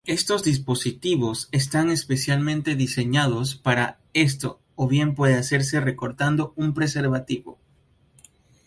Estos dispositivos están especialmente diseñados para esto o bien puede hacerse recortando un preservativo.